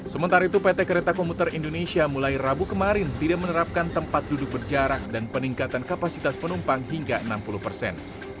sementara itu pt kereta komuter indonesia mulai rabu kemarin tidak menerapkan tempat duduk berjarak dan peningkatan kapasitas penumpang hingga enam puluh persen